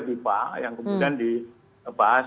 dipa yang kemudian dibahas